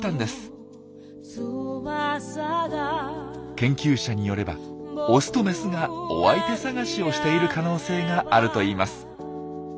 研究者によればオスとメスがお相手探しをしている可能性があるといいます。